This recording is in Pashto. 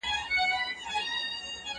ورور گلوي له مظلومانو سره وایي!!